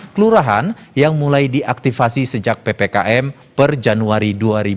kelurahan yang mulai diaktifasi sejak ppkm per januari dua ribu dua puluh